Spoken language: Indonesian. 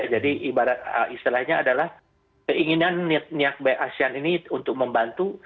jadi istilahnya adalah keinginan niat baik asean ini untuk membantu